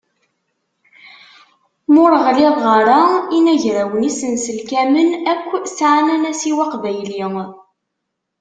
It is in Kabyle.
Ma ur ɣliḍeɣ ara, inagrawen isenselkamen akk sεan anasiw aqbayli.